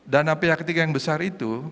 dana pihak ketiga yang besar itu